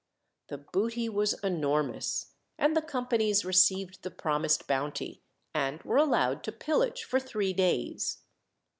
The booty was enormous; and the companies received the promised bounty, and were allowed to pillage for three days.